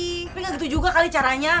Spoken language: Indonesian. tapi nggak gitu juga kali caranya